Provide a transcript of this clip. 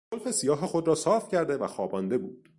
زلف سیاه خود را صاف کرده و خوابانده بود.